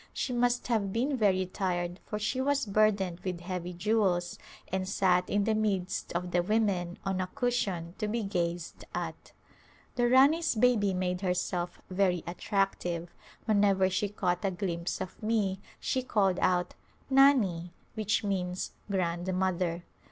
She must have been very tired for she was burdened with heavy jewels and sat in the midst of the women on a cushion to be gazed at. The Rani's baby made herself very attractive; whenever she caught a glimpse of me she called out " Nani " which means "grandmother."